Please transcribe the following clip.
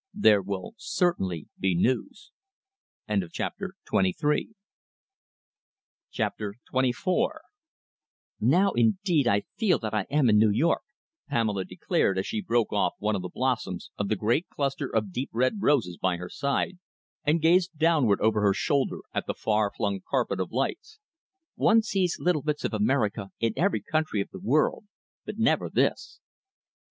"There will certainly be news." CHAPTER XXIV "Now indeed I feel that I am in New York," Pamela declared, as she broke off one of the blossoms of the great cluster of deep red roses by her side, and gazed downward over her shoulder at the far flung carpet of lights. "One sees little bits of America in every country of the world, but never this."